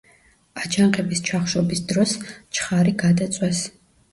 აჯანყების ჩახშობის დროს ჩხარი გადაწვეს.